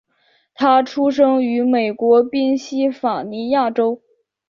他出生于美国宾夕法尼亚州。